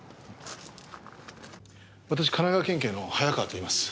私神奈川県警の早川といいます。